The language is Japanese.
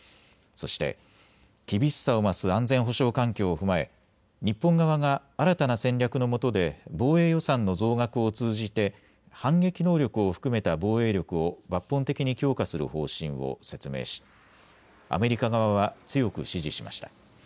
そして、厳しさを増す安全保障環境を踏まえ、日本側が新たな戦略のもとで防衛予算の増額を通じて反撃能力を含めた防衛力を抜本的に強化する方針を説明しアメリカ側は強く支持しました。